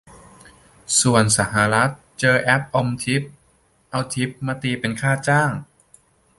ส่วนสหรัฐเจอแอปอมทิป เอาทิปมาตีเป็นค่าจ้าง